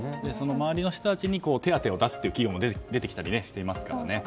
周りの人たちに手当を出すという企業も出てきたりしてますしね。